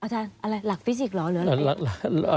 หลักฟิซิกหรอ